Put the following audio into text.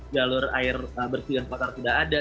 galur air bersih dan kotor sudah ada